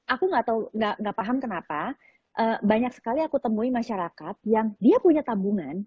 aku gak paham kenapa banyak sekali aku temui masyarakat yang dia punya tabungan